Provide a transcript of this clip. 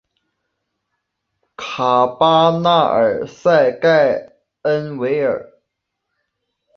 卡巴纳克塞盖恩维尔。